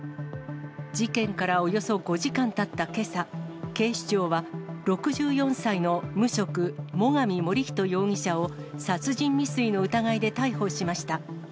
事件からおよそ５時間たったけさ、警視庁は、６４歳の無職、最上守人容疑者を殺人未遂の疑いで逮捕しました。